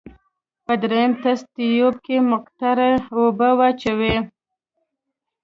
په دریم تست تیوب کې مقطرې اوبه واچوئ.